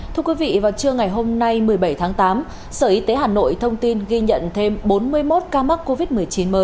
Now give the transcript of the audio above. thưa quý vị vào trưa ngày hôm nay một mươi bảy tháng tám sở y tế hà nội thông tin ghi nhận thêm bốn mươi một ca mắc covid một mươi chín mới